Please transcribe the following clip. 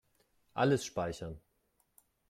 Alles speichern.